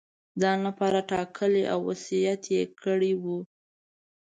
ځان لپاره ټاکلی او وصیت یې کړی وو.